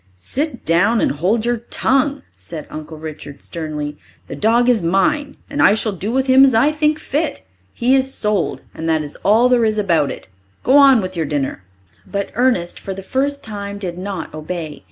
"Sit down and hold your tongue," said Uncle Richard sternly. "The dog is mine, and I shall do with him as I think fit. He is sold, and that is all there is about it. Go on with your dinner." But Ernest for the first time did not obey.